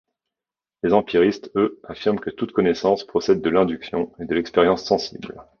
Les empiristes, eux, affirment que toute connaissance procède de l'induction et de l'expérience sensible.